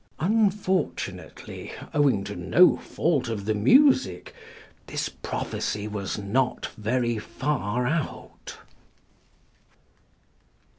Unfortunately, owing to no fault of the music, this prophecy was not very far out.